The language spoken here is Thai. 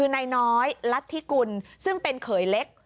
นายน้อยรัฐธิกุลซึ่งเป็นเขยเล็ก